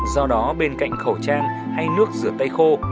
do đó bên cạnh khẩu trang hay nước rửa tay khô